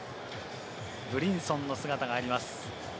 ブリンソンの姿があります。